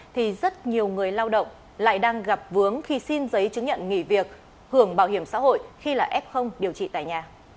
thì rất nhiều người lao động lại đang gặp vướng khi xin giấy chứng nhận nghỉ việc hưởng bảo hiểm xã hội khi là f điều trị tại nhà